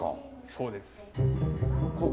そうです。